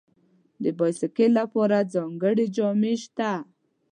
د بایسکل لپاره ځانګړي جامې شته.